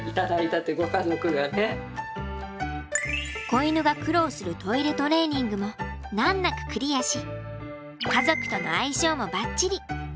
子犬が苦労するトイレトレーニングも難なくクリアし家族との相性もバッチリ。